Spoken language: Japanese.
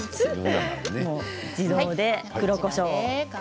自動で黒こしょう。